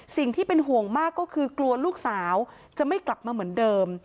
สิ่งที่เป็นห่วงมากก็คือกลัวลูกสาวจะไม่กลับมาเหมือนเดิม